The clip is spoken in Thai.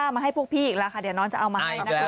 มาให้พวกพี่อีกแล้วค่ะเดี๋ยวน้องจะเอามาให้นะคะ